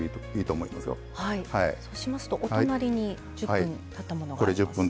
そうしますとお隣に１０分たったものがあります。